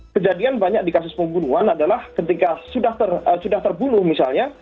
kejadian banyak di kasus pembunuhan adalah ketika sudah terbunuh misalnya